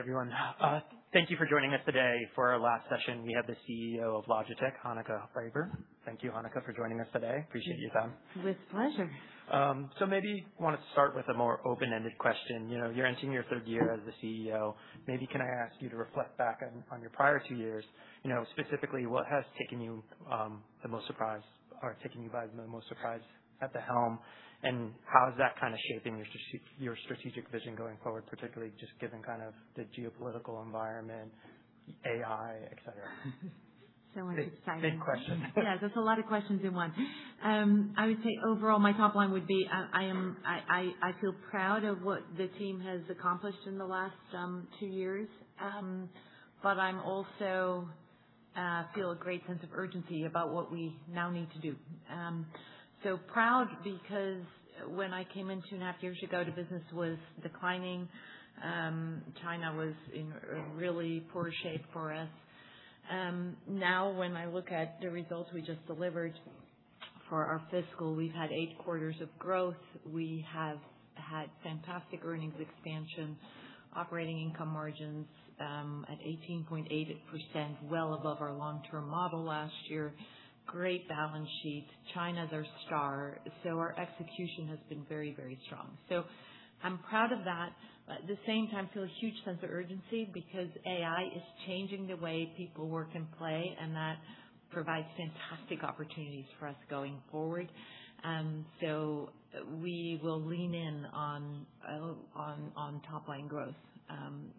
Hey, everyone. Thank you for joining us today. For our last session, we have the CEO of Logitech, Hanneke Faber. Thank you, Hanneke, for joining us today. Appreciate your time. With pleasure. Maybe want to start with a more open-ended question. You're entering your third year as the CEO. Maybe can I ask you to reflect back on your prior two years, specifically, what has taken you by the most surprise at the helm, and how is that shaping your strategic vision going forward, particularly just given the geopolitical environment, AI, et cetera? Much excitement. Big question. That's a lot of questions in one. I would say overall, my top line would be, I feel proud of what the team has accomplished in the last two years. I also feel a great sense of urgency about what we now need to do. Proud because when I came in 2.5 years ago, the business was declining. China was in really poor shape for us. When I look at the results we just delivered for our fiscal, we've had eight quarters of growth. We have had fantastic earnings expansion, operating income margins at 18.8%, well above our long-term model last year. Great balance sheet. China's our star. Our execution has been very strong. I'm proud of that, but at the same time, feel a huge sense of urgency because AI is changing the way people work and play, and that provides fantastic opportunities for us going forward. We will lean in on top line growth,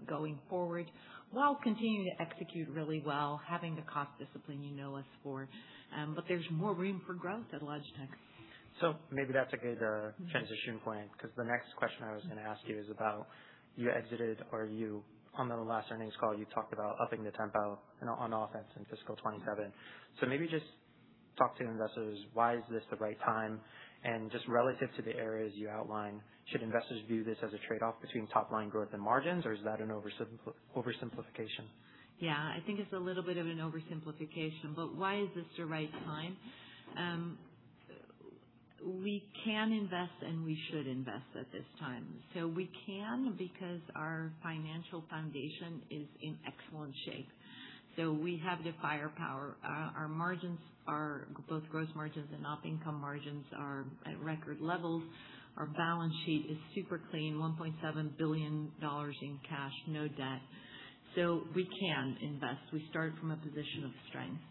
going forward, while continuing to execute really well, having the cost discipline you know us for. There's more room for growth at Logitech. Maybe that's a good transition point, because the next question I was going to ask you is about you exited or on the last earnings call, you talked about upping the tempo on offense in fiscal 2027. Maybe just talk to investors, why is this the right time, and just relative to the areas you outlined, should investors view this as a trade-off between top line growth and margins, or is that an oversimplification? Yeah. I think it's a little bit of an oversimplification, why is this the right time? We can invest, we should invest at this time. We can because our financial foundation is in excellent shape. We have the firepower. Our margins are, both gross margins and Op income margins, are at record levels. Our balance sheet is super clean, $1.7 billion in cash, no debt. We can invest. We start from a position of strength.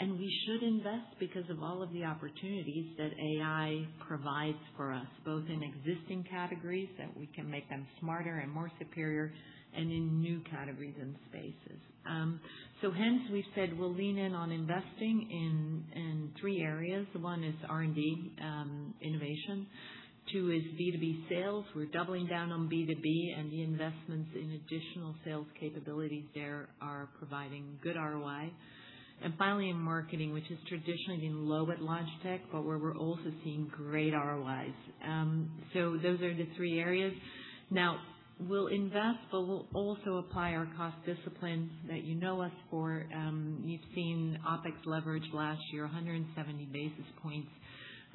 We should invest because of all of the opportunities that AI provides for us, both in existing categories, that we can make them smarter and more superior, and in new categories and spaces. Hence we've said we'll lean in on investing in three areas. One is R&D, innovation. Two is B2B sales. We're doubling down on B2B and the investments in additional sales capabilities there are providing good ROI. Finally, in marketing, which has traditionally been low at Logitech, but where we're also seeing great ROIs. Those are the three areas. We'll invest, but we'll also apply our cost disciplines that you know us for. You've seen OpEx leverage last year, 170 basis points,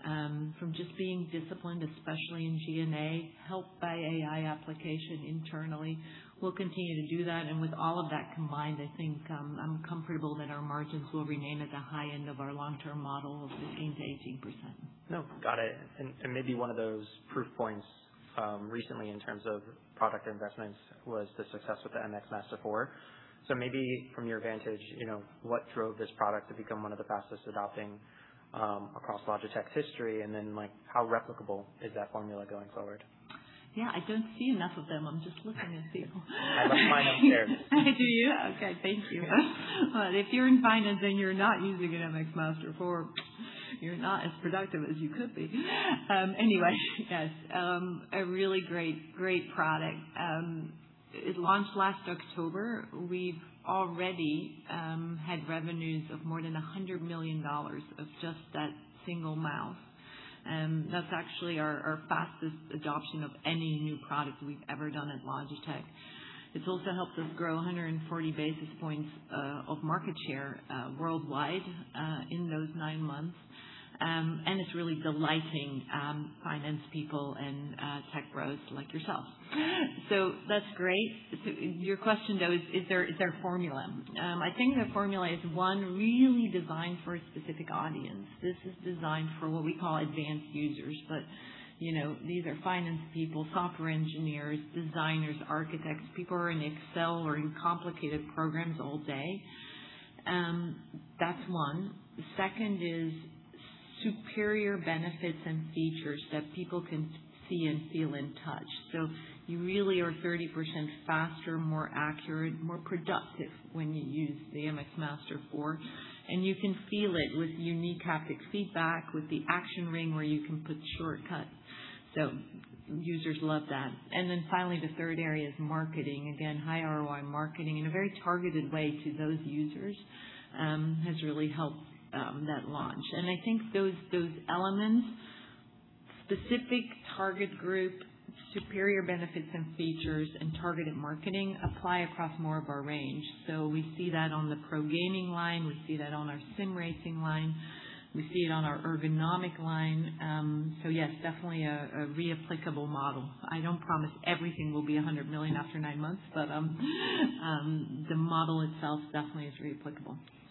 from just being disciplined, especially in G&A, helped by AI application internally. We'll continue to do that. With all of that combined, I think I'm comfortable that our margins will remain at the high end of our long-term model of 15%-18%. No. Got it. Maybe one of those proof points recently in terms of product investments was the success with the MX Master 4. Maybe from your vantage, what drove this product to become one of the fastest adopting across Logitech's history, and then how replicable is that formula going forward? Yeah. I don't see enough of them. I'm just looking at people. I have mine up there. Do you? Okay. Thank you. If you're in finance and you're not using an MX Master 4, you're not as productive as you could be. Anyway, yes. A really great product. It launched last October. We've already had revenues of more than $100 million of just that single mouse. That's actually our fastest adoption of any new product we've ever done at Logitech. It's also helped us grow 140 basis points of market share worldwide in those nine months. It's really delighting finance people and tech bros like yourself. That's great. Your question, though, is there a formula? I think the formula is, one, really designed for a specific audience. This is designed for what we call advanced users, but these are finance people, software engineers, designers, architects, people who are in Excel or in complicated programs all day. That's one. The second is superior benefits and features that people can see and feel and touch. You really are 30% faster, more accurate, more productive when you use the MX Master 4, and you can feel it with unique haptic feedback, with the action ring where you can put shortcuts. Users love that. Finally, the third area is marketing. Again, high ROI marketing in a very targeted way to those users, has really helped that launch. I think those elements, specific target group, superior benefits and features, and targeted marketing apply across more of our range. We see that on the pro gaming line. We see that on our sim racing line. We see it on our ergonomic line. Yes, definitely a re-applicable model. I don't promise everything will be 100 million after nine months, but the model itself definitely is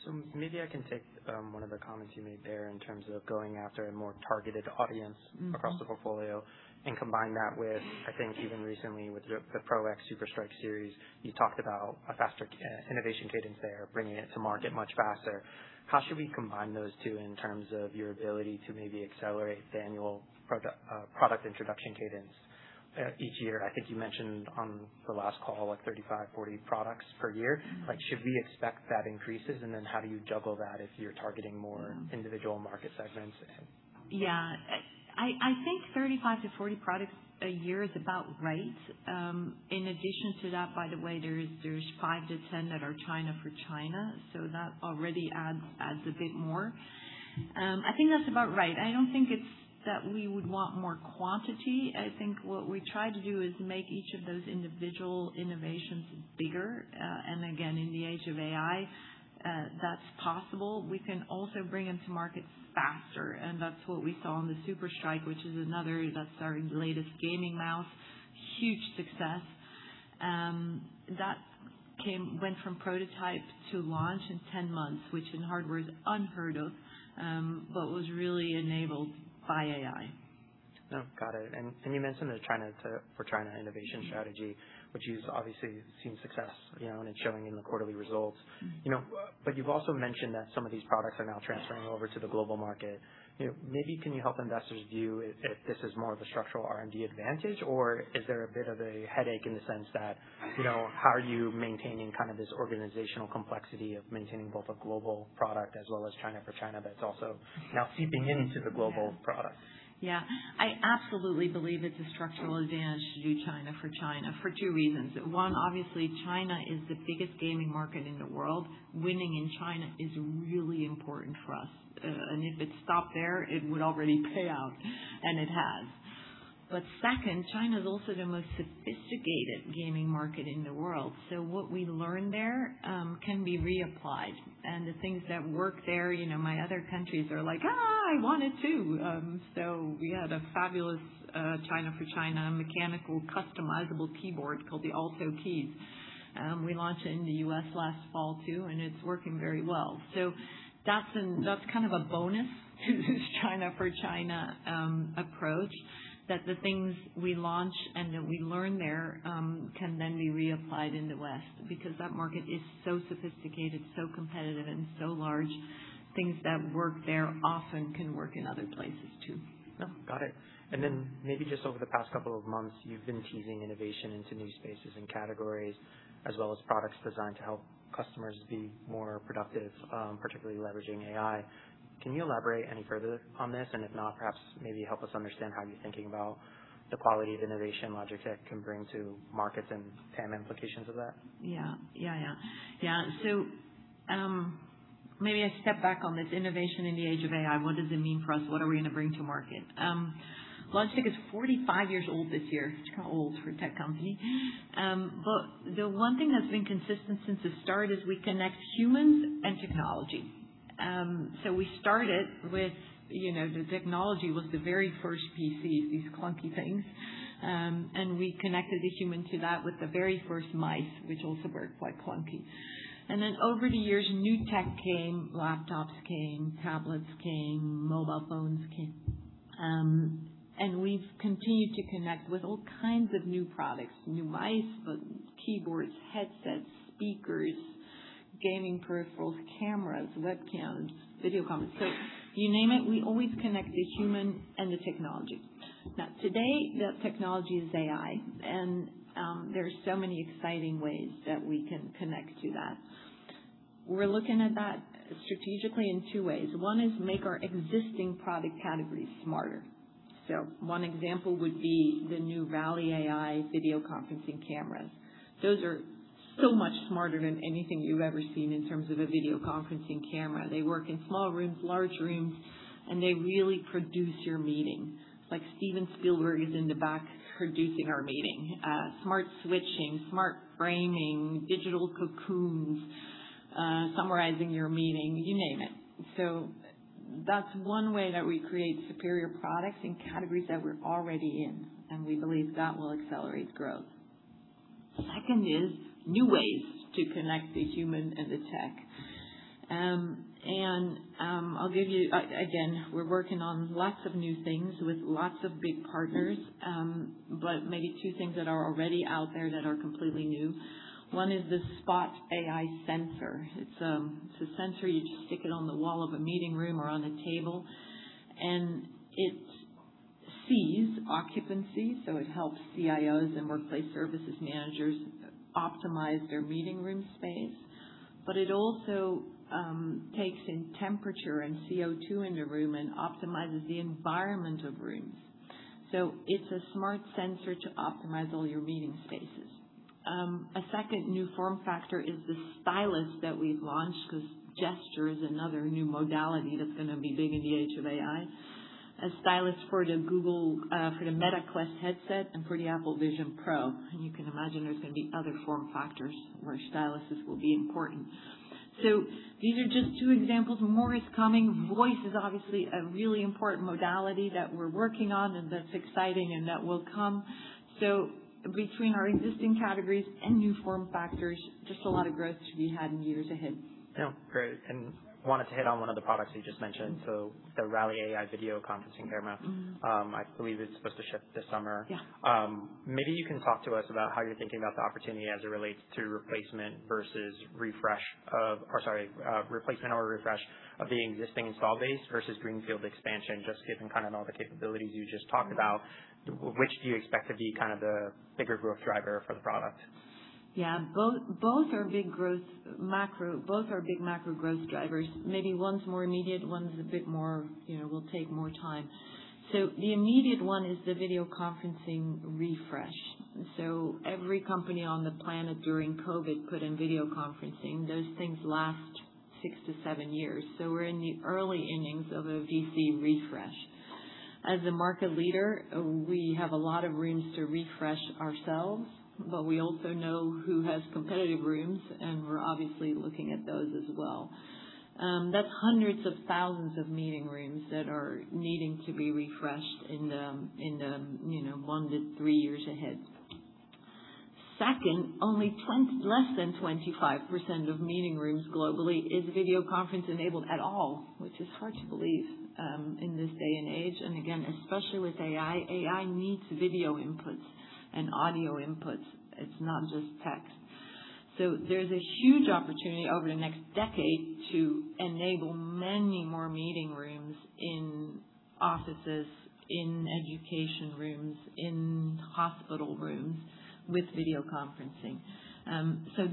replicable. Maybe I can take one of the comments you made there in terms of going after a more targeted audience across the portfolio, and combine that with, I think even recently with the PRO X SUPERLIGHT series, you talked about a faster innovation cadence there, bringing it to market much faster. How should we combine those two in terms of your ability to maybe accelerate the annual product introduction cadence each year? I think you mentioned on the last call, 35, 40 products per year. Should we expect that increases? How do you juggle that if you're targeting more individual market segments? Yeah. I think 35 to 40 products a year is about right. In addition to that, by the way, there's five to 10 that are China for China, so that already adds a bit more. I think that's about right. I don't think it's that we would want more quantity. I think what we try to do is make each of those individual innovations bigger. Again, in the age of AI, that's possible. We can also bring them to markets faster, and that's what we saw on the PRO X SUPERLIGHT, which is our latest gaming mouse. Huge success. That went from prototype to launch in 10 months, which in hardware is unheard of, but was really enabled by AI. Oh, got it. You mentioned the China for China innovation strategy, which you've obviously seen success, and it's showing in the quarterly results. You've also mentioned that some of these products are now transferring over to the global market. Maybe can you help investors view if this is more of a structural R&D advantage, or is there a bit of a headache in the sense that, how are you maintaining this organizational complexity of maintaining both a global product as well as China for China that's also now seeping into the global products? I absolutely believe it's a structural advantage to do China for China for two reasons. One, obviously, China is the biggest gaming market in the world. Winning in China is really important for us, and if it stopped there, it would already pay out, and it has. Second, China's also the most sophisticated gaming market in the world, so what we learn there can be reapplied, and the things that work there, my other countries are like, "I want it too." We had a fabulous China for China mechanical customizable keyboard called the Alto Keys. We launched it in the U.S. last fall too, and it's working very well. That's kind of a bonus to this China for China approach, that the things we launch and that we learn there can then be reapplied in the West, because that market is so sophisticated, so competitive and so large. Things that work there often can work in other places too. No, got it. Maybe just over the past couple of months, you've been teasing innovation into new spaces and categories, as well as products designed to help customers be more productive, particularly leveraging AI. Can you elaborate any further on this? If not, perhaps maybe help us understand how you're thinking about the quality of innovation Logitech can bring to markets and TAM implications of that. Maybe I step back on this innovation in the age of AI. What does it mean for us? What are we going to bring to market? Logitech is 45 years old this year. It's kind of old for a tech company. The one thing that's been consistent since the start is we connect humans and technology. We started with the technology was the very first PCs, these clunky things. We connected the human to that with the very first mice, which also were quite clunky. Over the years, new tech came, laptops came, tablets came, mobile phones came. We've continued to connect with all kinds of new products, new mice, keyboards, headsets, speakers, gaming peripherals, cameras, webcams, video conferences. You name it, we always connect the human and the technology. Today, that technology is AI, and there are so many exciting ways that we can connect to that. We're looking at that strategically in two ways. One is make our existing product categories smarter. One example would be the new Rally AI video conferencing cameras. Those are so much smarter than anything you've ever seen in terms of a video conferencing camera. They work in small rooms, large rooms, and they really produce your meeting, like Steven Spielberg is in the back producing our meeting. Smart switching, smart framing, digital cocoons, summarizing your meeting, you name it. That's one way that we create superior products in categories that we're already in, and we believe that will accelerate growth. The second is new ways to connect the human and the tech. I'll give you, again, we're working on lots of new things with lots of big partners, but maybe two things that are already out there that are completely new. One is the Spot AI sensor. It's a sensor, you just stick it on the wall of a meeting room or on a table, and it sees occupancy, so it helps CIOs and workplace services managers optimize their meeting room space. It also takes in temperature and CO2 in the room and optimizes the environment of rooms. It's a smart sensor to optimize all your meeting spaces. A second new form factor is the stylus that we've launched, because gesture is another new modality that's going to be big in the age of AI. A stylus for the Meta Quest headset and for the Apple Vision Pro. You can imagine there's going to be other form factors where styluses will be important. These are just two examples. More is coming. Voice is obviously a really important modality that we're working on, and that's exciting and that will come. Between our existing categories and new form factors, just a lot of growth to be had in years ahead. Yeah. Great. Wanted to hit on one of the products you just mentioned. The Rally AI Camera video conferencing camera, I believe is supposed to ship this summer. Yeah. Maybe you can talk to us about how you're thinking about the opportunity as it relates to replacement or refresh of the existing install base versus greenfield expansion. Given kind of all the capabilities you just talked about, which do you expect to be kind of the bigger growth driver for the product? Yeah. Both are big macro growth drivers. Maybe one's more immediate, one's a bit more, will take more time. The immediate one is the video conferencing refresh. Every company on the planet during COVID put in video conferencing. Those things last six to seven years. We're in the early innings of a VC refresh. As a market leader, we have a lot of rooms to refresh ourselves, but we also know who has competitive rooms, and we're obviously looking at those as well. That's hundreds of thousands of meeting rooms that are needing to be refreshed in the one to three years ahead. Second, only less than 25% of meeting rooms globally is video conference enabled at all, which is hard to believe, in this day and age. Again, especially with AI needs video inputs and audio inputs. It's not just text. There's a huge opportunity over the next decade to enable many more meeting rooms in offices, in education rooms, in hospital rooms with video conferencing.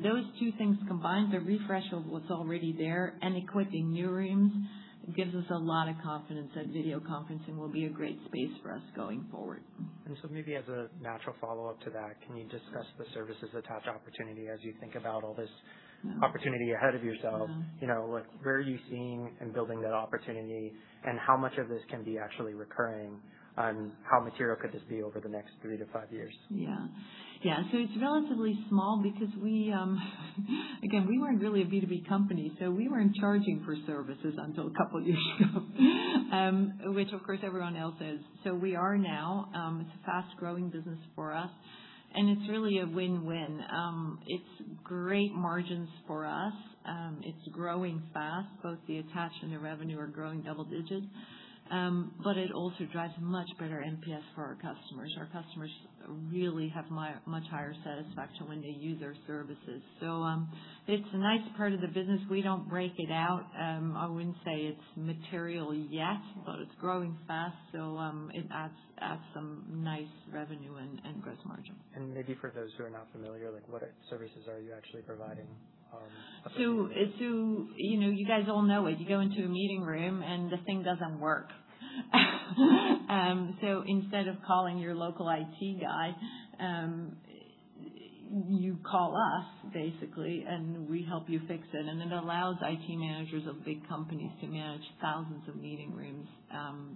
Those two things combined, the refresh of what's already there and equipping new rooms, gives us a lot of confidence that video conferencing will be a great space for us going forward. Maybe as a natural follow-up to that, can you discuss the services attach opportunity as you think about all this opportunity ahead of yourself? Where are you seeing and building that opportunity, and how much of this can be actually recurring, and how material could this be over the next three to five years? Yeah. It's relatively small because again, we weren't really a B2B company, so we weren't charging for services until a couple of years ago. Which of course, everyone else is. We are now. It's a fast-growing business for us, and it's really a win-win. It's great margins for us. It's growing fast, both the attachment and revenue are growing double-digits. It also drives much better NPS for our customers. Our customers really have much higher satisfaction when they use our services. It's a nice part of the business. We don't break it out. I wouldn't say it's material yet, but it's growing fast, so, it adds some nice revenue and gross margin. Maybe for those who are not familiar, what services are you actually providing? You guys all know it. You go into a meeting room. The thing doesn't work. Instead of calling your local IT guy, you call us, basically, and we help you fix it. It allows IT managers of big companies to manage thousands of meeting rooms,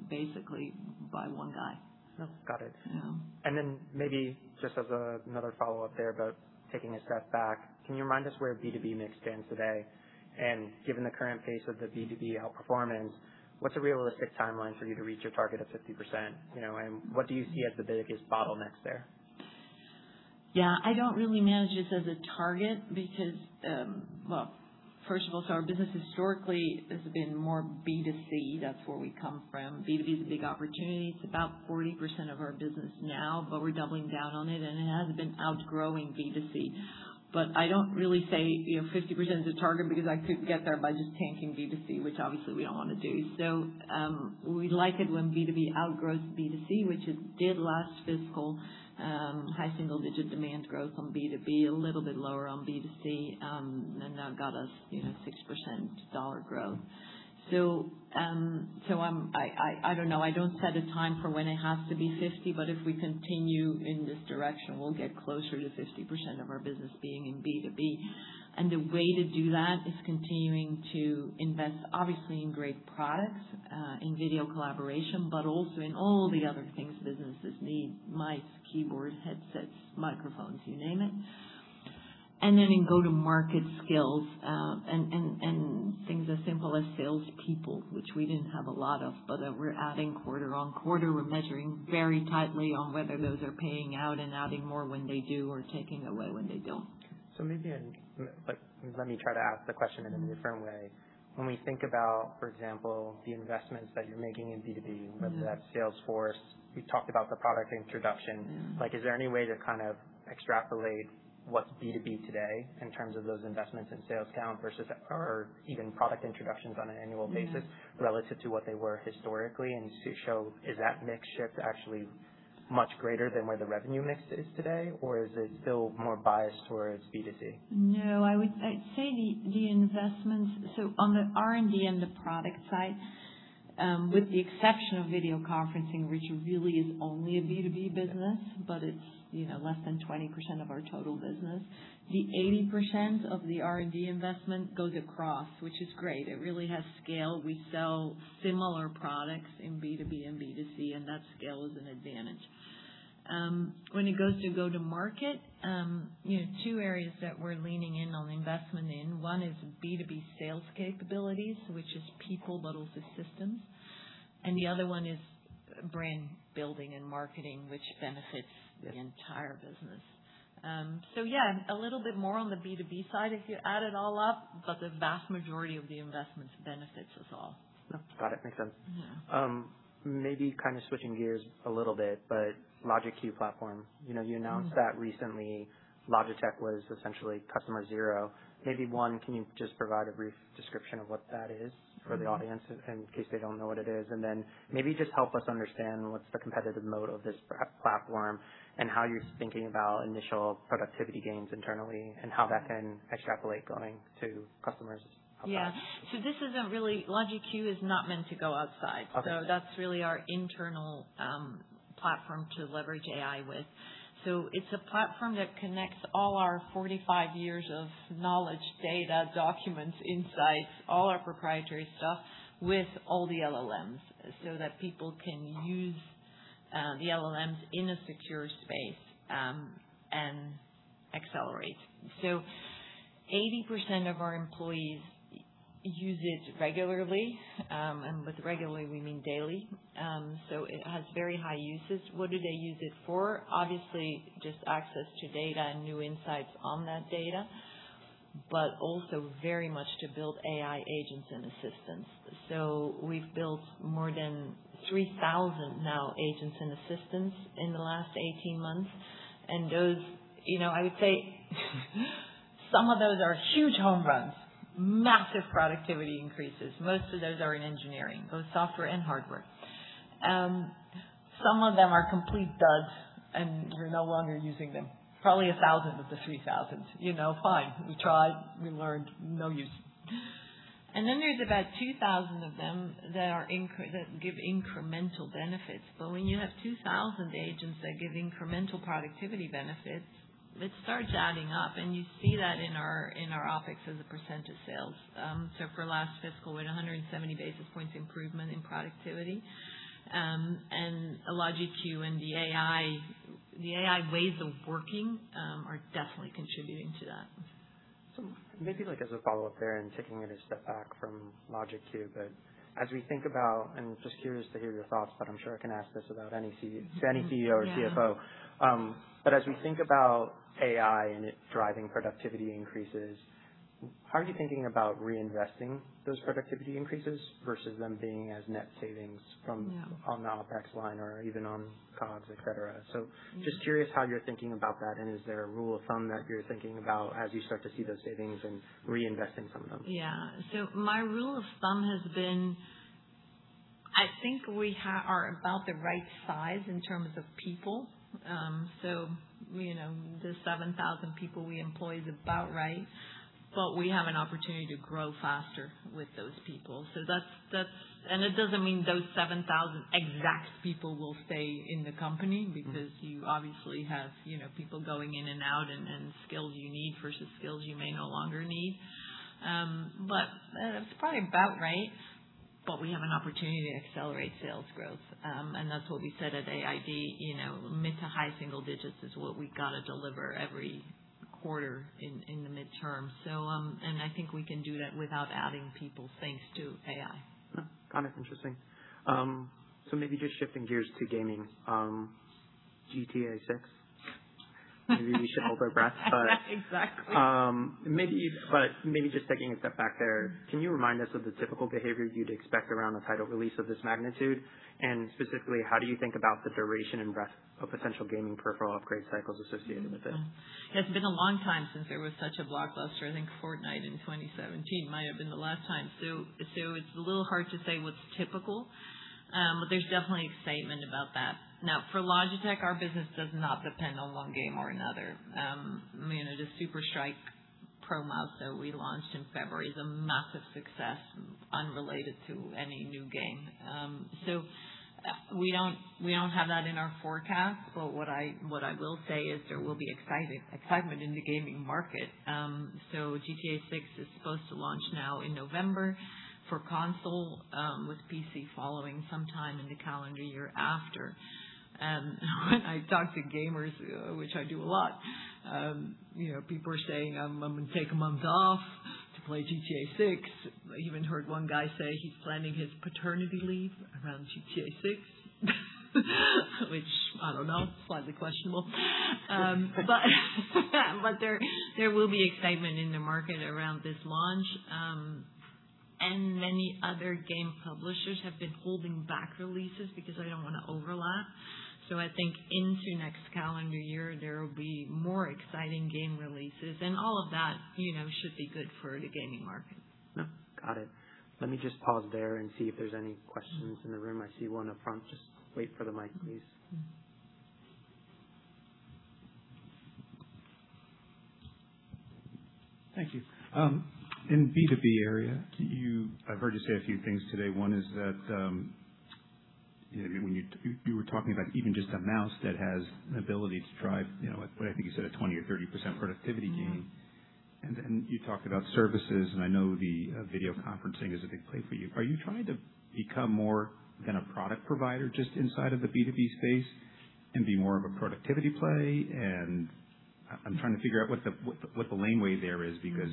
basically by one guy. Got it. Yeah. Maybe just as another follow-up there, but taking a step back, can you remind us where B2B mix stands today? Given the current pace of the B2B outperformance, what's a realistic timeline for you to reach your target of 50%? What do you see as the biggest bottlenecks there? Yeah. I don't really manage this as a target because, well, first of all, so our business historically has been more B2C. That's where we come from. B2B is a big opportunity. It's about 40% of our business now, but we're doubling down on it, and it has been outgrowing B2C. I don't really say 50% is the target, because I could get there by just tanking B2C, which obviously we don't want to do. We like it when B2B outgrows B2C, which it did last fiscal. High single-digit demand growth on B2B, a little bit lower on B2C, and that got us 6% dollar growth. I don't know. I don't set a time for when it has to be 50, but if we continue in this direction, we'll get closer to 50% of our business being in B2B. The way to do that is continuing to invest, obviously in great products, in video collaboration, but also in all the other things businesses need, mice, keyboard, headsets, microphones, you name it. Then in go-to-market skills, and things as simple as salespeople, which we didn't have a lot of, but we're adding quarter on quarter. We're measuring very tightly on whether those are paying out and adding more when they do or taking away when they don't. Maybe let me try to ask the question in a different way. When we think about, for example, the investments that you're making in B2B, whether that's sales force, we talked about the product introduction. Is there any way to kind of extrapolate what's B2B today in terms of those investments in sales count versus or even product introductions on an annual basis? Relative to what they were historically and show, is that mix shift actually much greater than where the revenue mix is today? Is it still more biased towards B2C? No. I'd say the investments, so on the R&D and the product side, with the exception of video conferencing, which really is only a B2B business, but it's less than 20% of our total business. The 80% of the R&D investment goes across, which is great. It really has scale. We sell similar products in B2B and B2C, and that scale is an advantage. When it goes to go to market, two areas that we're leaning in on investment in, one is B2B sales capabilities, which is people models as systems, and the other one is brand building and marketing, which benefits the entire business. Yeah, a little bit more on the B2B side if you add it all up, but the vast majority of the investments benefits us all. Got it. Makes sense. Maybe kind of switching gears a little bit, but LogiQ platform, you announced that recently Logitech was essentially customer zero. Maybe, one, can you just provide a brief description of what that is for the audience in case they don't know what it is? Then maybe just help us understand what's the competitive moat of this platform and how you're thinking about initial productivity gains internally, and how that can extrapolate going to customers out there. Yeah. LogiQ is not meant to go outside. Okay. That's really our internal platform to leverage AI with. It's a platform that connects all our 45 years of knowledge, data, documents, insights, all our proprietary stuff with all the LLMs so that people can use the LLMs in a secure space and accelerate. 80% of our employees use it regularly, and with regularly we mean daily. It has very high uses. What do they use it for? Obviously, just access to data and new insights on that data, but also very much to build AI agents and assistants. We've built more than 3,000 now agents and assistants in the last 18 months, and those, I would say some of those are huge home runs, massive productivity increases. Most of those are in engineering, both software and hardware. Some of them are complete duds, and we're no longer using them. Probably 1,000 of the 3,000. Fine. We tried, we learned, no use. There's about 2,000 of them that give incremental benefits. When you have 2,000 agents that give incremental productivity benefits, it starts adding up, and you see that in our OpEx as a percent of sales. For last fiscal, we had 170 basis points improvement in productivity. LogiQ and the AI ways of working are definitely contributing to that. Maybe as a follow-up there and taking it a step back from LogiQ, but as we think about, and just curious to hear your thoughts, but I'm sure I can ask this about any CEO or CFO. Yeah. As we think about AI and it driving productivity increases, how are you thinking about reinvesting those productivity increases versus them being as net savings. Yeah On the OPEX line or even on COGS, et cetera. Just curious how you're thinking about that, and is there a rule of thumb that you're thinking about as you start to see those savings and reinvesting some of them? My rule of thumb has been, I think we are about the right size in terms of people. The 7,000 people we employ is about right, but we have an opportunity to grow faster with those people. It doesn't mean those 7,000 exact people will stay in the company because you obviously have people going in and out, and skills you need versus skills you may no longer need. It's probably about right, but we have an opportunity to accelerate sales growth. That's what we said at AID, mid to high single digits is what we've got to deliver every quarter in the midterm. I think we can do that without adding people, thanks to AI. Got it. Interesting. Maybe just shifting gears to gaming. GTA VI. Maybe we should hold our breath. Exactly. Maybe just taking a step back there. Can you remind us of the typical behavior you'd expect around a title release of this magnitude? Specifically, how do you think about the duration and breadth of potential gaming peripheral upgrade cycles associated with it? It's been a long time since there was such a blockbuster. I think Fortnite in 2017 might have been the last time. It's a little hard to say what's typical. There's definitely excitement about that. Now, for Logitech, our business does not depend on one game or another. The PRO X SUPERLIGHT mouse that we launched in February is a massive success unrelated to any new game. We don't have that in our forecast, but what I will say is there will be excitement in the gaming market. GTA VI is supposed to launch now in November for console, with PC following sometime in the calendar year after. When I talk to gamers, which I do a lot, people are saying, "I'm going to take a month off to play GTA VI." I even heard one guy say he's planning his paternity leave around GTA VI, which, I don't know, slightly questionable. There will be excitement in the market around this launch. Many other game publishers have been holding back releases because they don't want to overlap. I think into next calendar year, there will be more exciting game releases, and all of that should be good for the gaming market. Got it. Let me just pause there and see if there's any questions in the room. I see one upfront. Just wait for the mic, please. Thank you. In B2B area, I've heard you say a few things today. One is that, you were talking about even just a mouse that has an ability to drive, what I think you said, a 20 or 30% productivity gain. Then you talked about services, and I know the video conferencing is a big play for you. Are you trying to become more than a product provider just inside of the B2B space and be more of a productivity play? I'm trying to figure out what the laneway there is, because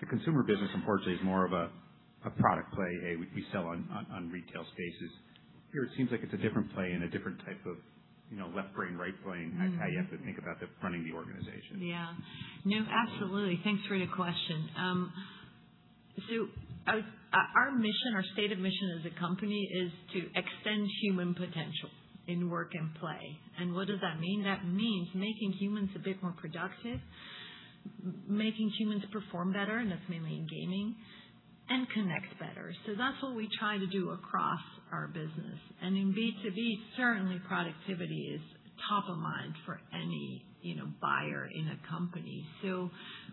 the consumer business, unfortunately, is more of a product play. A, we sell on retail spaces. Here, it seems like it's a different play and a different type of left brain, right brain, how you have to think about the running of the organization. Yeah. No, absolutely. Thanks for the question. Our statement of mission as a company is to extend human potential in work and play. What does that mean? That means making humans a bit more productive, making humans perform better, and that's mainly in gaming, and connect better. That's what we try to do across our business. In B2B, certainly productivity is top of mind for any buyer in a company.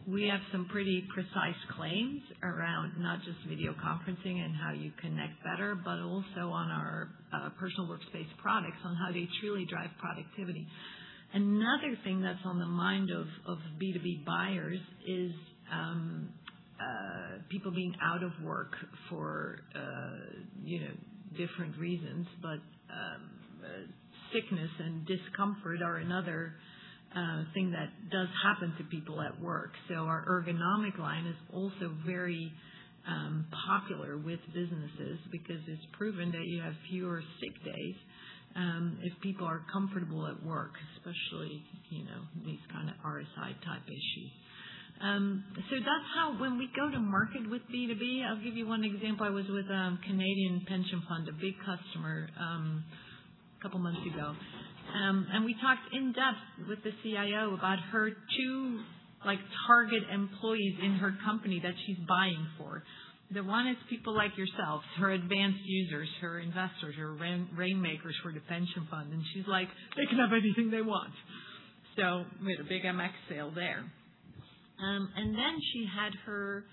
We have some pretty precise claims around not just video conferencing and how you connect better, but also on our personal workspace products, on how they truly drive productivity. Another thing that's on the mind of B2B buyers is people being out of work for different reasons. Sickness and discomfort are another thing that does happen to people at work. Our ergonomic line is also very popular with businesses because it's proven that you have fewer sick days if people are comfortable at work, especially these kind of RSI type issues. That's how when we go to market with B2B, I'll give you one example. I was with a Canadian pension fund, a big customer, a couple of months ago. We talked in-depth with the CIO about her two target employees in her company that she's buying for. The one is people like yourselves, her advanced users, her investors, her rainmakers for the pension fund. She's like, "They can have anything they want." We had a big MX sale there. Then she had her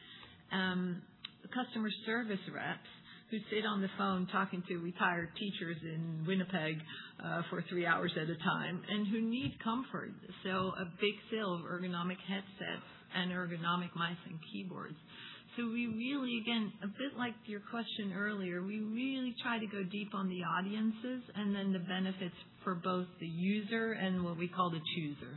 customer service reps who sit on the phone talking to retired teachers in Winnipeg for three hours at a time and who need comfort. A big sale of ergonomic headsets and ergonomic mice and keyboards. We really, again, a bit like your question earlier, we really try to go deep on the audiences and then the benefits for both the user and what we call the chooser.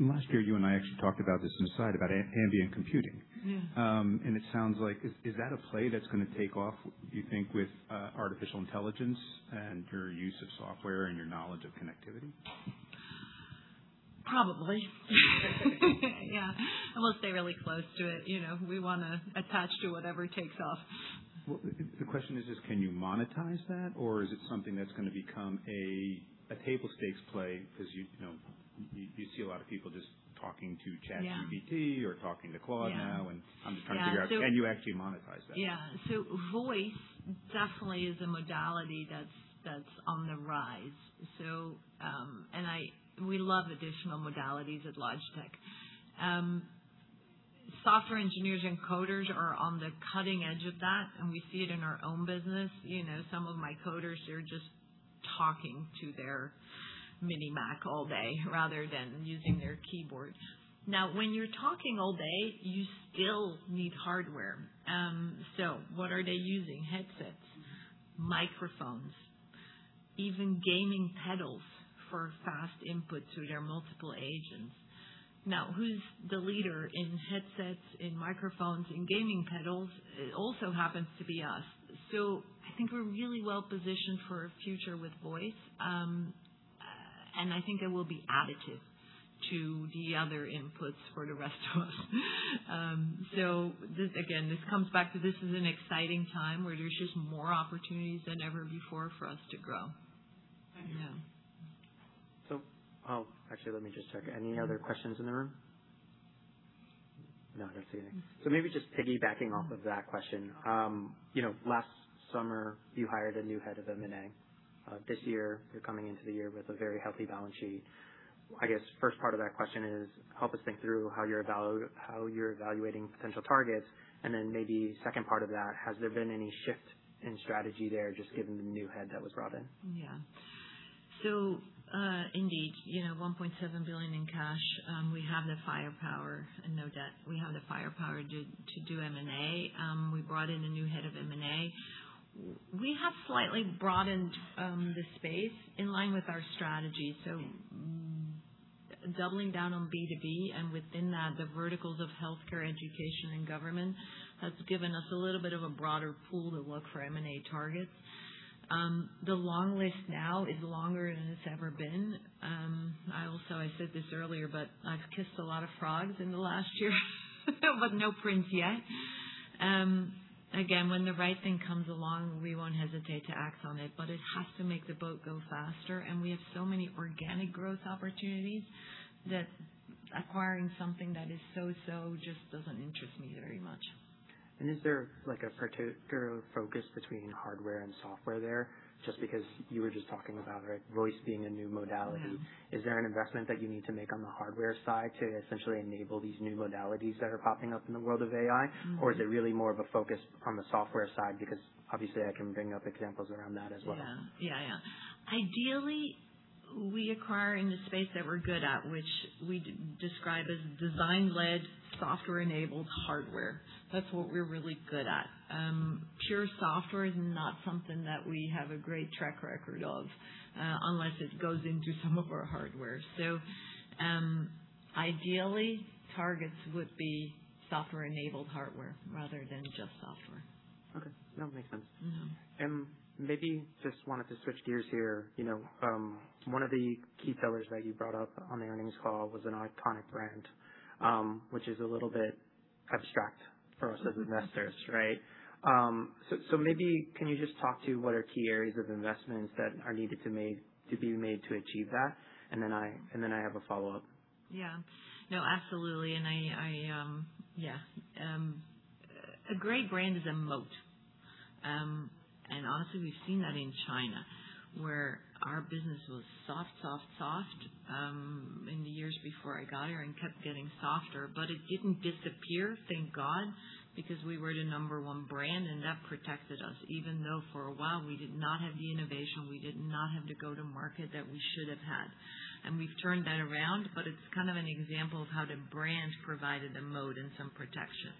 Last year, you and I actually talked about this in the side about ambient computing. Yeah. It sounds like, is that a play that's going to take off, do you think, with artificial intelligence and your use of software and your knowledge of connectivity? Probably. Yeah. We'll stay really close to it. We want to attach to whatever takes off. Well, the question is, can you monetize that, or is it something that's going to become a table stakes play? Because you see a lot of people just talking to ChatGPT or talking to Claude now, and I'm just trying to figure out, can you actually monetize that? Voice definitely is a modality that's on the rise. We love additional modalities at Logitech. Software engineers and coders are on the cutting edge of that, and we see it in our own business. Some of my coders, they're just talking to their Mac mini all day rather than using their keyboards. When you're talking all day, you still need hardware. What are they using? Headsets, microphones, even gaming pedals for fast input through their multiple agents. Who's the leader in headsets, in microphones, in gaming pedals? It also happens to be us. I think we're really well-positioned for a future with voice. I think it will be additive to the other inputs for the rest of us. Again, this comes back to this is an exciting time where there's just more opportunities than ever before for us to grow. Actually, let me just check. Any other questions in the room? No, I don't see any. Maybe just piggybacking off of that question. Last summer, you hired a new head of M&A. This year, you're coming into the year with a very healthy balance sheet. I guess first part of that question is, help us think through how you're evaluating potential targets, and then maybe second part of that, has there been any shift in strategy there, just given the new head that was brought in? Indeed, $1.7 billion in cash. We have the firepower and no debt. We have the firepower to do M&A. We brought in a new head of M&A. We have slightly broadened the space in line with our strategy. Doubling down on B2B, and within that, the verticals of healthcare, education, and government has given us a little bit of a broader pool to look for M&A targets. The long list now is longer than it's ever been. I said this earlier, but I've kissed a lot of frogs in the last year, but no prince yet. Again, when the right thing comes along, we won't hesitate to act on it, but it has to make the boat go faster, and we have so many organic growth opportunities that acquiring something that is so-so just doesn't interest me very much. Is there a particular focus between hardware and software there? Just because you were just talking about voice being a new modality. Is there an investment that you need to make on the hardware side to essentially enable these new modalities that are popping up in the world of AI? Is it really more of a focus on the software side? Obviously I can bring up examples around that as well. Ideally, we acquire in the space that we're good at, which we describe as design-led software-enabled hardware. That's what we're really good at. Pure software is not something that we have a great track record of, unless it goes into some of our hardware. Ideally, targets would be software-enabled hardware rather than just software. Okay. No, makes sense. Maybe just wanted to switch gears here. One of the key pillars that you brought up on the earnings call was an iconic brand, which is a little bit abstract for us as investors, right? Maybe can you just talk to what are key areas of investments that are needed to be made to achieve that? I have a follow-up. Yeah. No, absolutely. A great brand is a moat. Also, we've seen that in China, where our business was soft in the years before I got here and kept getting softer, but it didn't disappear, thank God, because we were the number one brand, and that protected us, even though for a while we did not have the innovation, we did not have the go-to-market that we should have had. We've turned that around, but it's kind of an example of how the brand provided a moat and some protection.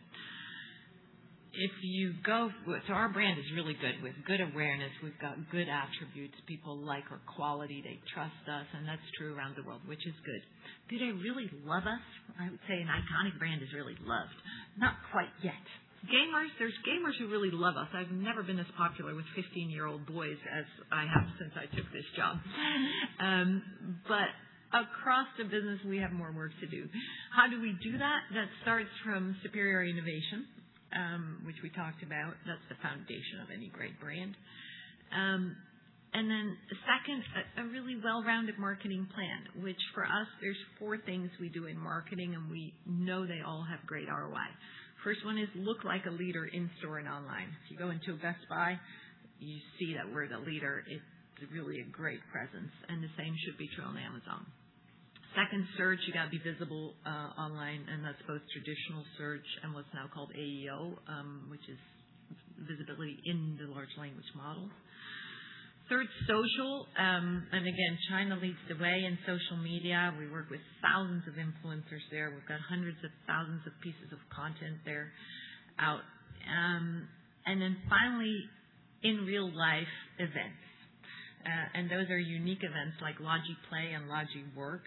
Our brand is really good with good awareness. We've got good attributes. People like our quality. They trust us, and that's true around the world, which is good. Do they really love us? I would say an iconic brand is really loved. Not quite yet. Gamers, there's gamers who really love us. I've never been as popular with 15-year-old boys as I have since I took this job. Across the business, we have more work to do. How do we do that? That starts from superior innovation, which we talked about. That's the foundation of any great brand. The second, a really well-rounded marketing plan, which for us, there's four things we do in marketing, and we know they all have great ROI. First one is look like a leader in-store and online. If you go into a Best Buy, you see that we're the leader. It's really a great presence, and the same should be true on Amazon. Second, search. You got to be visible online, and that's both traditional search and what's now called AEO, which is visibility in the large language model. Third, social. Again, China leads the way in social media. We work with thousands of influencers there. We've got hundreds of thousands of pieces of content there out. Finally, in real life events. Those are unique events like Logi PLAY and Logi WORK,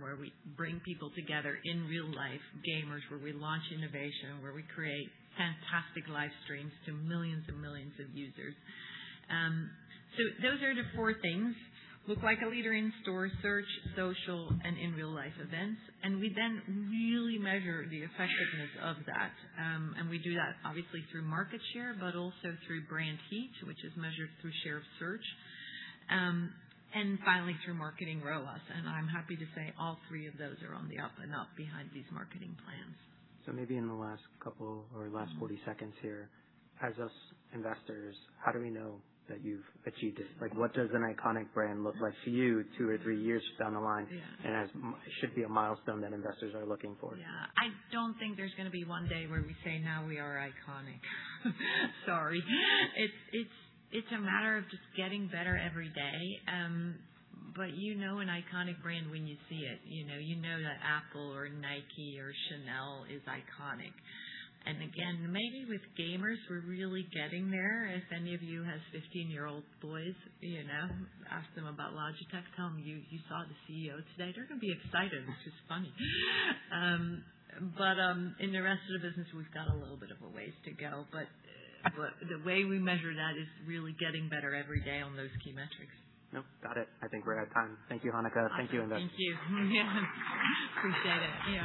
where we bring people together in real life, gamers, where we launch innovation, where we create fantastic live streams to millions and millions of users. Those are the 4 things, look like a leader in store search, social, and in real life events. We then really measure the effectiveness of that. We do that obviously through market share, but also through brand heat, which is measured through share of search. Finally, through marketing ROAS, I'm happy to say all 3 of those are on the up and up behind these marketing plans. Maybe in the last couple or last 40 seconds here, as us investors, how do we know that you've achieved this? What does an iconic brand look like to you two or three years down the line? Yeah. As should be a milestone that investors are looking for. Yeah. I don't think there's going to be one day where we say, "Now we are iconic." Sorry. It's a matter of just getting better every day. You know an iconic brand when you see it. You know that Apple or Nike or Chanel is iconic. Again, maybe with gamers, we're really getting there. If any of you has 15-year-old boys, ask them about Logitech, tell them you saw the CEO today. They're going to be excited, which is funny. In the rest of the business, we've got a little bit of a ways to go. The way we measure that is really getting better every day on those key metrics. Nope, got it. I think we're out of time. Thank you, Hanneke Faber. Thank you, investors. Thank you. Yeah. Appreciate it. Yeah.